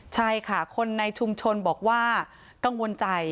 ใช่ค่ะคนในชุมชนบอกว่ากังวลใจ